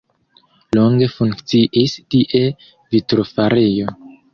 Longe funkciis tie vitrofarejo.